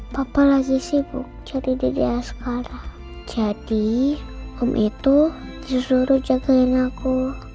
papa lagi sibuk jadi di daerah sekarang jadi om itu disuruh jagain aku